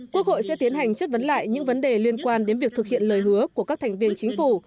quốc hội sẽ tiến hành chất vấn lại những vấn đề liên quan đến việc thực hiện lời hứa của các thành viên chính phủ